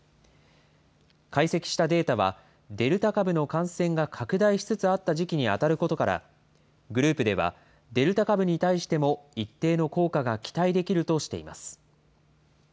解析したデータは、デルタ株の感染が拡大しつつあった時期に当たることから、グループでは、デルタ株に対しても一定の効果が期待できるとしています。